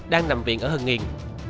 đang nằm viện ở hân nghiên